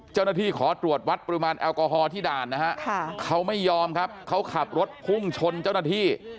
เจ้าหน้าที่ขอตรวจวัดปริมาณแอลกอฮอล์ที่ด่านนะฮะเขาไม่ยอมครับเขาขับรถพุ่งชนเจ้าหน้าที่